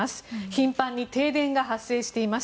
頻繁に停電が発生しています。